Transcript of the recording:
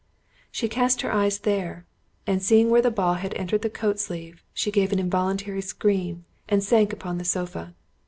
She cast her eyes there, and seeing where the ball had entered the coat sleeve, she gave an involuntary scream, and sunk upon the sofa.